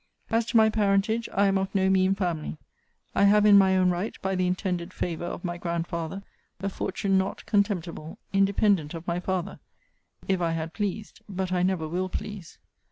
'As to my parentage, I am of no mean family; I have in my own right, by the intended favour of my grandfather, a fortune not contemptible: independent of my father; if I had pleased; but I never will please.